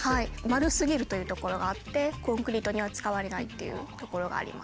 丸すぎるというところがあってコンクリートには使われないっていうところがあります。